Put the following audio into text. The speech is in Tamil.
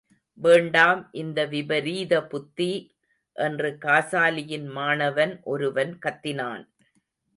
வேண்டாம் இந்த விபரீத புத்தி! என்று காசாலியின் மாணவன் ஒருவன் கத்தினான்.